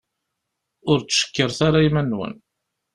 Ur ttcekkiret ara iman-nwen.